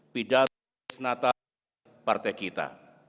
pidato senata dan perusahaan partai kita